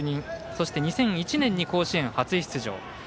そして２００１年に甲子園初出場。